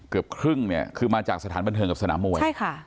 เกือบครึ่งคือมาจากสถานบันเทิงกับสนามมวย